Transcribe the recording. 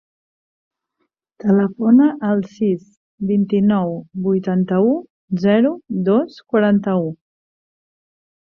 Telefona al sis, vint-i-nou, vuitanta-u, zero, dos, quaranta-u.